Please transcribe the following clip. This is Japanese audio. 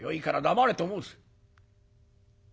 黙れと申す！